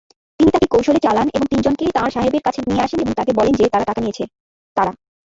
তিনি তাকে কৌশলে চালান এবং তিনজনকে তাঁর সাহেবের কাছে নিয়ে আসেন এবং তাকে বলে যে যে তারা টাকা নিয়েছে তারা।